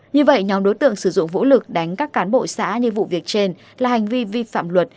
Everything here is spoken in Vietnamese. như vậy nhóm đối tượng sử dụng vũ lực đánh các cán bộ xã như vụ việc trên là hành vi vi phạm luật